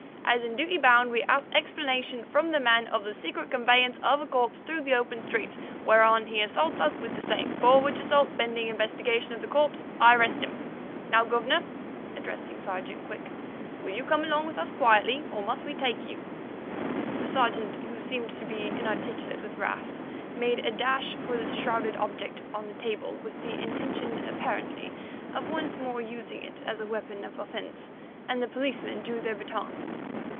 "As in duty bound, we ask explanation from that man of the secret conveyance of a corpse through the open streets, whereon he assaults us with the same, for which assault, pending investigation of the corpse, I arrest him. Now, Guv'nor" (addressing Sergeant Quick), "will you come along with us quietly, or must we take you?" The Sergeant, who seemed to be inarticulate with wrath, made a dash for the shrouded object on the table, with the intention, apparently, of once more using it as a weapon of offence, and the policemen drew their batons.